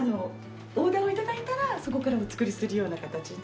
オーダーを頂いたらそこからお作りするような形で。